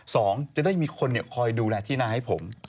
สองจะได้มีคนคอยดูแลที่นาให้ผม